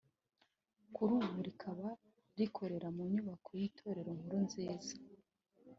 kuri ubu rikaba rikorera mu nyubako y’itorero Inkuru nziza